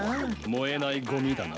燃えないごみだな。